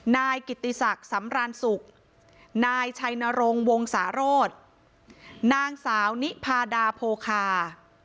นายกิติศักดิ์สำรานสุขนายชัยนรงวงศาโรธนางสาวนิพาดาโพคา